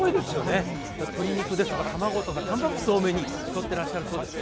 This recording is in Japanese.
鶏肉ですとか卵ですとか、たんぱく質を多めにとっていらっしゃるそうです。